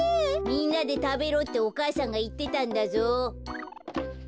みんなでたべろってお母さんがいってたんだぞ。